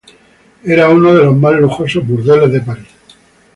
Era uno de los más lujosos burdeles de París.